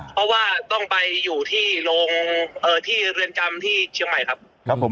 เพราะว่าต้องไปอยู่ที่โรงที่เรือนจำที่เชียงใหม่ครับผม